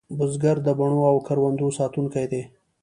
بزګر د بڼو او کروندو ساتونکی دی